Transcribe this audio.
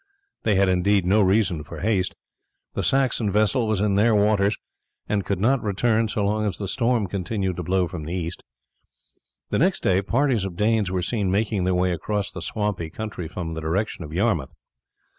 They had indeed no reason for haste. The Saxon vessel was in their waters, and could not return so long as the storm continued to blow from the east. The next day parties of Danes were seen making their way across the swampy country from the direction of Yarmouth.